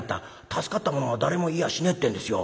助かった者は誰もいやしねえってんですよ。